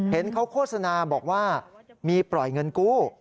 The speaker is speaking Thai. เห็นเขาโฆษณาบอกว่ามีปล่อยเงินกู้